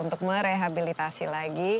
untuk merehabilitasi lagi